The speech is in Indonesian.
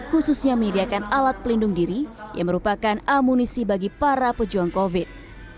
khususnya menyediakan alat pelindung diri yang merupakan amunisi bagi para pejuang covid